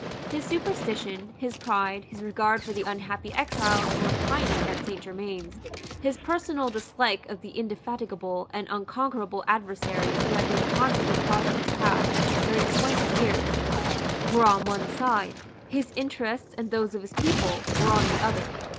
His superstition, his pride, his regard for the unhappy exiles who were pining at Saint Germains, his personal dislike of the indefatigable and unconquerable adversary who had been constantly crossing his path during twenty years, were on one side; his interests and those of his people were on the other.